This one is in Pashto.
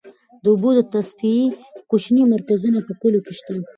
د اوبو د تصفیې کوچني مرکزونه په کليو کې شته.